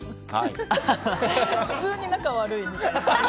普通に仲悪いみたいな感じ。